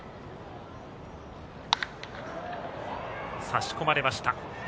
差し込まれました。